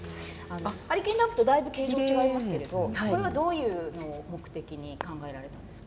ハリケーンランプとだいぶ形状が違いますけれどもどういう目的で考えられたんですか？